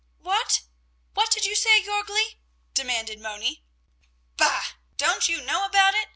What did you say, Jörgli?" demanded Moni. "Bah, don't you know about it?